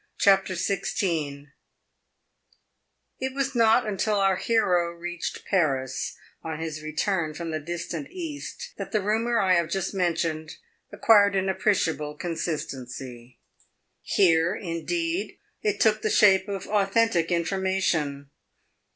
CHAPTER XVI It was not till our hero reached Paris, on his return from the distant East, that the rumor I have just mentioned acquired an appreciable consistency. Here, indeed, it took the shape of authentic information.